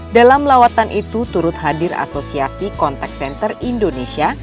dalam lawatan itu turut hadir asosiasi contact center indonesia